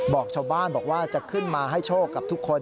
บอกชาวบ้านบอกว่าจะขึ้นมาให้โชคกับทุกคน